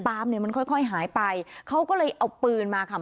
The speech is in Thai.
ปลามเนี้ยมันค่อยค่อยหายไปเขาก็เลยเอาปืนมาค่ะ